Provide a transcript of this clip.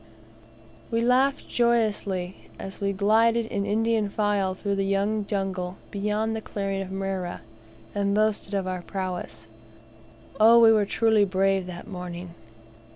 We laughed joyously, as we glided in Indian file through the young forest jungle beyond the clearing of Mrera, and boasted of our prowess. Oh! we were truly brave that morning!